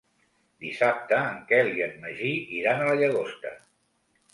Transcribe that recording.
Dissabte en Quel i en Magí iran a la Llagosta.